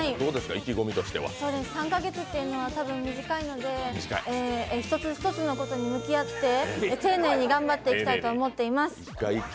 ３か月というのは多分短いので１つ１つのことに向き合って丁寧に頑張っていきたいと思っています。